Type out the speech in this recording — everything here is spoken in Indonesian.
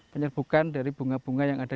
penyerbukan dari bunga bunga yang ada